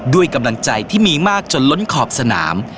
ด้วยกำลังใจที่มีมากจนล้นขอบสนาม